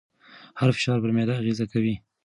هر فشار پر معده اغېز کوي.